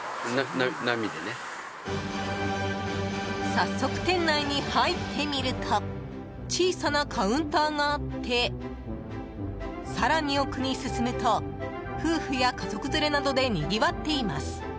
早速、店内に入ってみると小さなカウンターがあって更に奥に進むと夫婦や家族連れなどでにぎわっています。